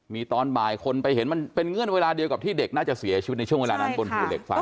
มีตอนบ่ายคนไปเห็นมันเป็นเงื่อนเวลาเดียวกับที่เด็กน่าจะเสียชีวิตในช่วงเวลานั้นบนภูเหล็กไฟ